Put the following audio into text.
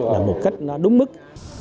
là một cách nó đúng mức